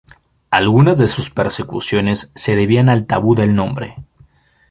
Algunas de las persecuciones se debían al tabú del nombre.